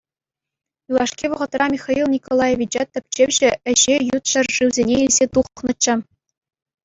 Юлашки вӑхӑтра Михаил Николаевича тӗпчевҫӗ ĕçĕ ют ҫӗршывсене илсе тухнӑччӗ.